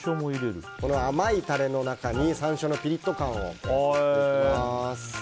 甘いタレの中に山椒のピリッと感を入れます。